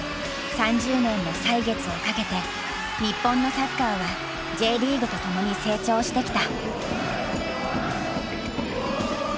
３０年の歳月をかけて日本のサッカーはＪリーグとともに成長してきた。